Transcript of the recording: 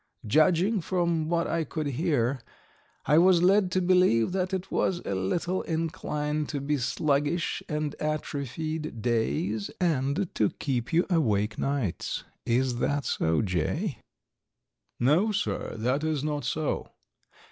Judging from what I could hear, I was led to believe that it was a little inclined to be sluggish and atrophied days and to keep you awake nights. Is that so, Jay?" "No, sir; that is not so."